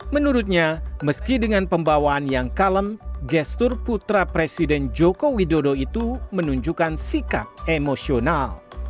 menurutnya meski dengan pembawaan yang kalem gestur putra presiden joko widodo itu menunjukkan sikap emosional